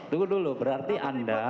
tunggu dulu berarti anda